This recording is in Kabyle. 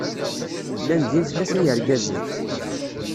Llan din tlata yergazen.